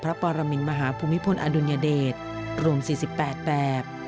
ปรมินมหาภูมิพลอดุลยเดชรวม๔๘แบบ